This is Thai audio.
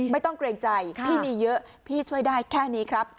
เกรงใจพี่มีเยอะพี่ช่วยได้แค่นี้ครับ